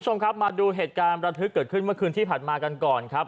คุณผู้ชมครับมาดูเหตุการณ์ประทึกเกิดขึ้นเมื่อคืนที่ผ่านมากันก่อนครับ